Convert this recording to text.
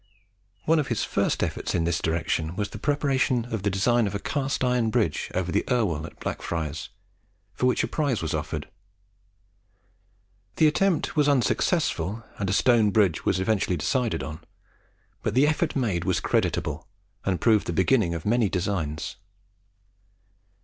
One of his first efforts in this direction was the preparation of the design of a cast iron bridge over the Irwell, at Blackfriars, for which a prize was offered. The attempt was unsuccessful, and a stone bridge was eventually decided on; but the effort made was creditable, and proved the beginning of many designs.